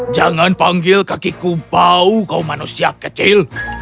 jangan panggil kakiku bau kau manusia kecil